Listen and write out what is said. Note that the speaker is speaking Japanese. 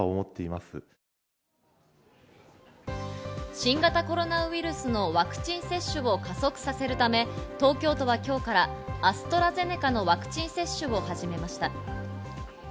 新型コロナウイルスのワクチン接種を加速させるため、東京都は今日からアストラゼネカのワクチン接種を始めました。